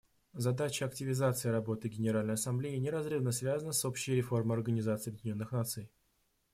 Задача активизации работы Генеральной Ассамблеи неразрывно связана с общей реформой Организации Объединенных Наций.